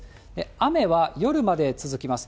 雨は夜まで続きます。